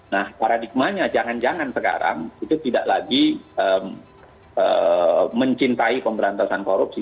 nah paradigmanya jangan jangan sekarang itu tidak lagi mencintai pemberantasan korupsi